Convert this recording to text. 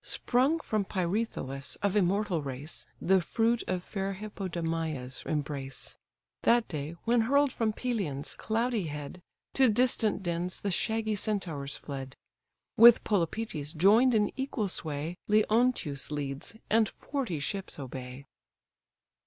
Sprung from Pirithous of immortal race, The fruit of fair Hippodame's embrace, (That day, when hurl'd from Pelion's cloudy head, To distant dens the shaggy Centaurs fled) With Polypœtes join'd in equal sway Leonteus leads, and forty ships obey.